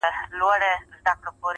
اور يې وي په سترگو کي لمبې کوې